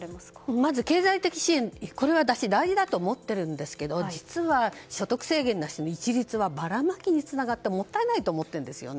まず経済的支援は私、大事だと思っているんですが実は、所得制限なしで一律はばらまきにつながってもったいないと思うんですね。